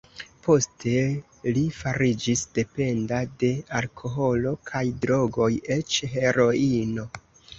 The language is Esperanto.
Poste li fariĝis dependa de alkoholo kaj drogoj, eĉ heroino.